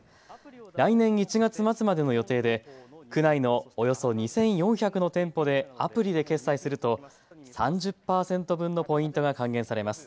来年１月末までの予定で区内のおよそ２４００の店舗でアプリで決済すると３０％分のポイントが還元されます。